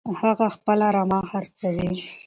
هغه خپله رمه خرڅوي.